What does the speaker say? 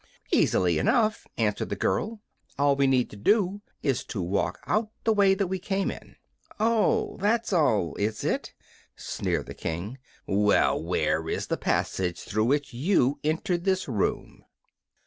"Easily enough," answered the girl. "All we need to do is to walk out the way that we came in." "Oh, that's all, is it?" sneered the King. "Well, where is the passage through which you entered this room?"